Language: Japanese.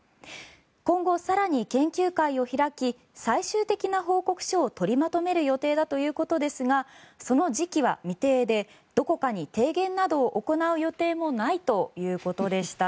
今後、更に研究会を開き最終的な報告書を取りまとめる予定だということですがその時期は未定でどこかに提言などを行う予定もないということです。